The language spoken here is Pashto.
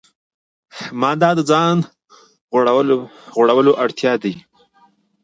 دا د ځان غوړولو اړتیاوې دي.